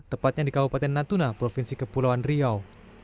tepatnya di kabupaten natuna provinsi kepulauan riau